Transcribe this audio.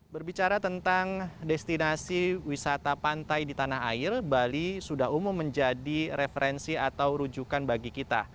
berbicara tentang destinasi wisata pantai di tanah air bali sudah umum menjadi referensi atau rujukan bagi kita